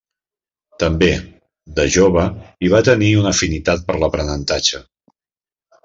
També, de jove hi va tenir una afinitat per a l'aprenentatge.